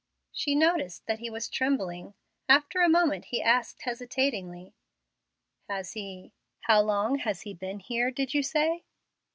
She noticed that he was trembling. After a moment he asked, hesitatingly, "Has he how long has he been here, did you say?"